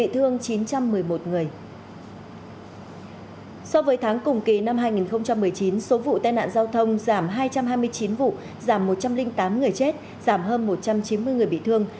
theo tháng cùng kỳ năm hai nghìn một mươi chín số vụ tai nạn giao thông giảm hai trăm hai mươi chín vụ giảm một trăm linh tám người chết giảm hơn một trăm chín mươi người bị thương